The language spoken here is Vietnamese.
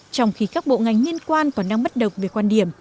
trong khi các bộ ngành liên quan còn đang bắt đầu về quan điểm